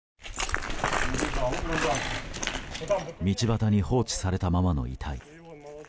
道端に放置されたままの遺体。